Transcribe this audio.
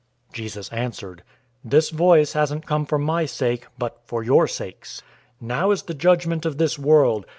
012:030 Jesus answered, "This voice hasn't come for my sake, but for your sakes. 012:031 Now is the judgment of this world.